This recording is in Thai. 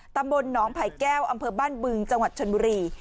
ตำบลหนองไผ่แก้วอำเภอบ้านบึงจังหวัดชนบุรี